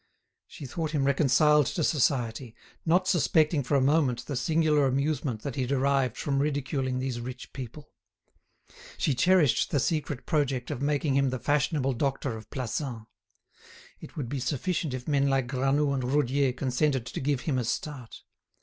She thought him reconciled to Society, not suspecting for a moment the singular amusement that he derived from ridiculing these rich people. She cherished the secret project of making him the fashionable doctor of Plassans. It would be sufficient if men like Granoux and Roudier consented to give him a start.